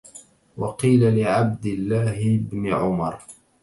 وَقِيلَ لِعَبْدِ اللَّهِ بْنِ عُمَرَ